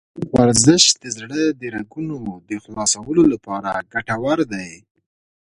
ورزش د زړه د رګونو د خلاصولو لپاره ګټور دی.